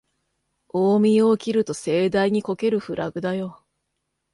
大見得を切ると盛大にこけるフラグだよ